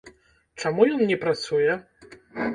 Чаму ён не працуе?